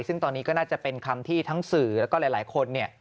ซึ่งตอนนี้ก็น่าจะเป็นคำที่ทั้งสื่อแล้วก็หลายคนเนี่ย